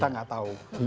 karena itu yang kita lihat